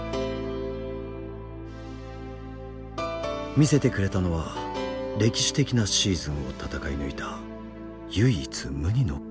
見せてくれたのは歴史的なシーズンを闘い抜いた唯一無二の勲章。